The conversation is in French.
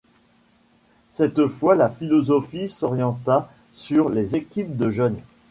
Cette fois la philosophie s’orienta sur les équipes de jeunes.